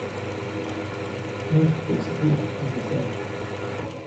Alc'hwez dor ti ma zad.